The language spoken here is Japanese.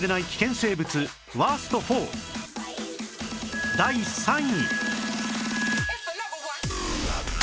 生物ワースト４第３位